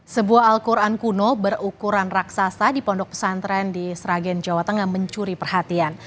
sebuah al quran kuno berukuran raksasa di pondok pesantren di sragen jawa tengah mencuri perhatian